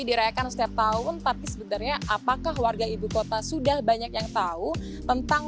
dirayakan setiap tahun tapi sebenarnya apakah warga ibu kota sudah banyak yang tahu tentang